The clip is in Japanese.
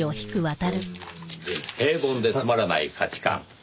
「平凡でつまらない価値観」。